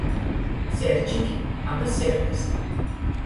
Serčiki aba serkys.